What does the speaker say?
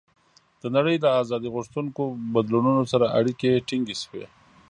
د نړۍ له آزادۍ غوښتونکو بدلونونو سره اړیکې ټینګې شوې.